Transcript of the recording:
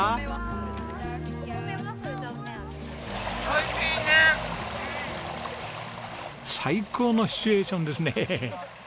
最高のシチュエーションですね。